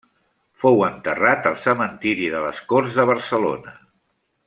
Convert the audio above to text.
Fou enterrat al Cementiri de les Corts de Barcelona.